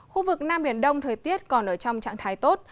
khu vực nam biển đông thời tiết còn ở trong trạng thái tốt